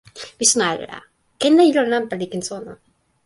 mi sona ala. ken la ilo nanpa li ken sona.